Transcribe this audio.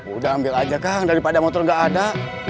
udah ambil aja kang daripada motor nggak ada